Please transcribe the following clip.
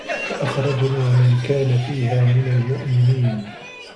فَأَخرَجنا مَن كانَ فيها مِنَ المُؤمِنينَ